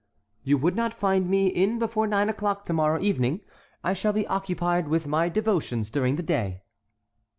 "You would not find me in before nine o'clock to morrow evening; I shall be occupied with my devotions during the day."